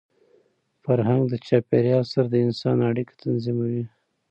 فرهنګ د چاپېریال سره د انسان اړیکه تنظیموي.